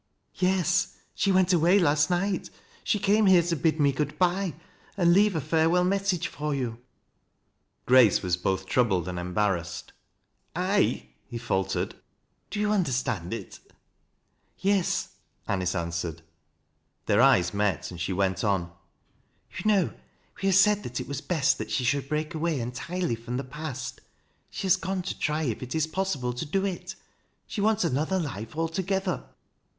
"" Yes. She went away last night. She came here to bid me good bye, and eave a farewell message for you." 254 TEAT LASS 0' LOWRIB'b. Grace was both troubled and embarrassed. " I " he faltered. " Do you understand it J " "Tes," A nice answered. Their eyes met, and she went on :" Tou know we have said that it was best that she shoukl break away entirely from the past. She has gone to tr\ if it is possible to do it. She wants another life alto gether."